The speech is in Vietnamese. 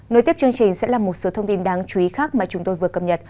nối tiếp chương trình sẽ là một số thông tin đáng chú ý khác mà chúng tôi vừa cập nhật